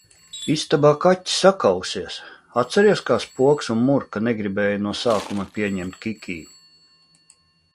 Istabā kaķi sakausies! atceries, kā Spoks un Murka negribēja no sākuma pieņemt Kikī?...